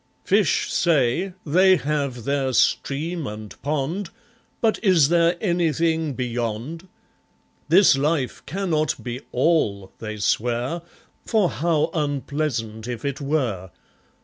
Fish say, they have their Stream and Pond; But is there anything Beyond? This life cannot be All, they swear, For how unpleasant, if it were!